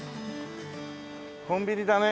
コンビニだね。